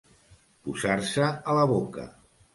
Posar-se a la boca.